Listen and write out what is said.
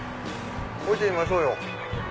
降りてみましょうよ。